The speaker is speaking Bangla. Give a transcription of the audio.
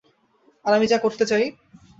আর আমি যা করতে চাই?